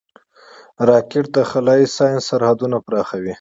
راکټ د خلایي ساینس سرحدونه پراخوي